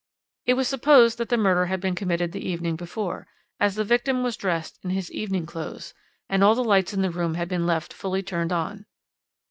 "It was supposed that the murder had been committed the evening before, as the victim was dressed in his evening clothes, and all the lights in the room had been left fully turned on.